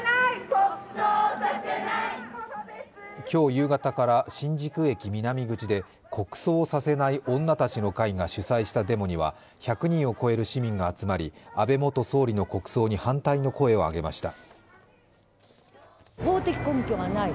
今日夕方から新宿駅南口前で国葬させない女たちの会が主催したデモには１００人を超える市民が集まり安倍元総理の国葬に反対の声を上げました。